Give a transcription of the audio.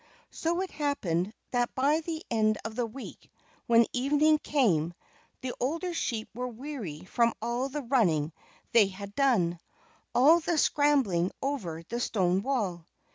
So it happened that by the end of a week, when evening came, the older sheep were weary from all the running they had done, all the scrambling over the stone wall.